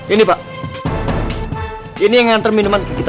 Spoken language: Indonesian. ini pak ini yang nganter minuman ke kita